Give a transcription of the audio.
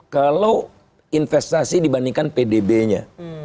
kalau investasi dibandingkan pdb nya